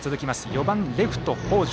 ４番、レフト、北條。